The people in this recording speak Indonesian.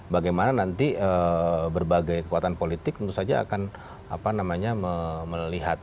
bagaimana nanti berbagai kekuatan politik tentu saja akan melihat